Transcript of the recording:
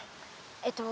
えっと